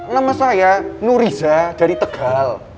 nama saya nuriza dari tegal